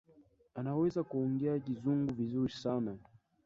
Anaweza kuongea kizungu vizuri sana